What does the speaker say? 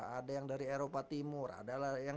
ada yang dari eropa timur ada yang